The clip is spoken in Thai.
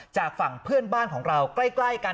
จากฝั่งเพื่อนบ้านของเราใกล้กัน